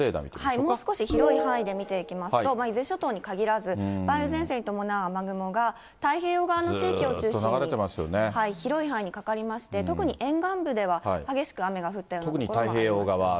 もう少し広い範囲で見ていきますと、伊豆諸島に限らず、梅雨前線に伴う雨雲が、太平洋側の地域を中心に広い範囲にかかりまして、特に沿岸部では、激しく雨が降っている所があります。